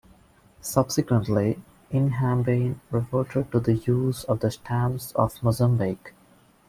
Subsequently, Inhambane reverted to the use of the stamps of Mozambique.